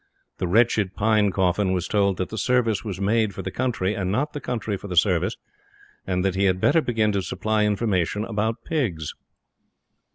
The wretched Pinecoffin was told that the Service was made for the Country, and not the Country for the Service, and that he had better begin to supply information about Pigs.